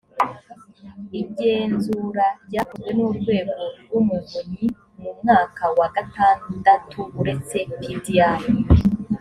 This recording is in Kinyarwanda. igenzura ryakozwe n urwego rw umuvunyi mu mwaka wa gatandatu uretse pdi